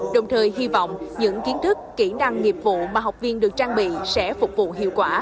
đồng thời hy vọng những kiến thức kỹ năng nghiệp vụ mà học viên được trang bị sẽ phục vụ hiệu quả